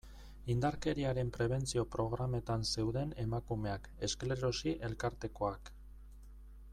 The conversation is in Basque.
Indarkeriaren prebentzio programetan zeuden emakumeak, esklerosi elkartekoak...